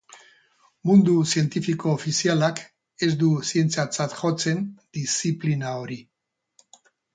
Mundu zientifiko ofizialak ez du zientziatzat jotzen diziplina hori.